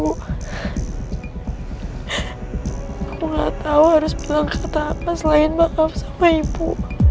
aku gak tau harus bilang kata apa selain maaf sama ibu